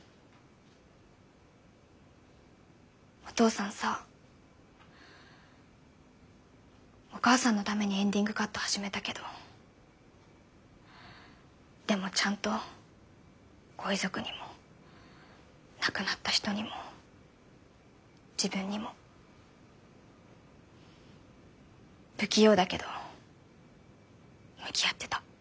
お父さんさお母さんのためにエンディングカット始めたけどでもちゃんとご遺族にも亡くなった人にも自分にも不器用だけど向き合ってた。